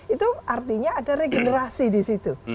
itu artinya ada regenerasi di situ